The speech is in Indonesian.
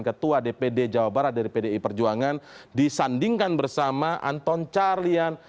ketua dpd jawa barat dari pdi perjuangan disandingkan bersama anton carlian